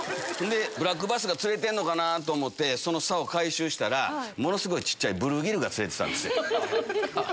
ブラックバスが釣れてんのかなと思ってその竿回収したらものすごい小っちゃいブルーギルが釣れてたんです。